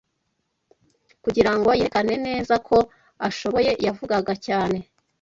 kugirango yerekane neza ko ashoboye yavugaga cyane